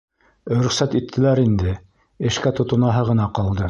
— Рөхсәт иттеләр инде, эшкә тотонаһы ғына ҡалды.